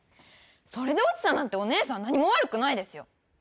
それで落ちたなんてお姉さん何も悪くないですよ